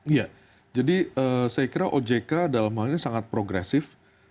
iya jadi saya kira ojk dalam hal ini sangat progresif